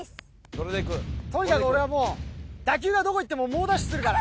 とにかく俺はもう打球がどこへ行っても猛ダッシュするから。